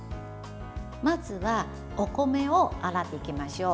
まずはお米を洗っていきましょう。